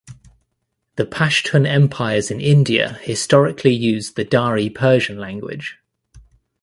The Pashtun empires in India historically used the Dari Persian language.